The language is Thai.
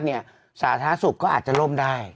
สาธารณสุขก็อาจจะล่มได้